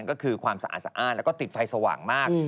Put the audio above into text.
ก็คือความสะอาดสะอ้านแล้วก็ติดไฟสว่างมาก